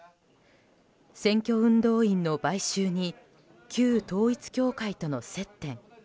選挙運動員の買収に旧統一教会との接点。